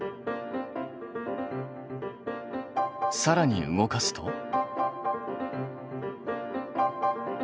さらに動かすと？